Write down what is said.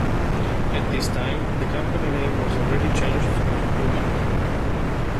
At this time, the company name was already changed to Puma.